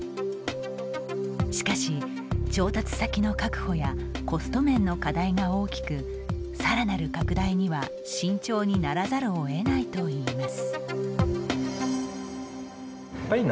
しかし調達先の確保やコスト面の課題が大きく更なる拡大には慎重にならざるをえないと言います。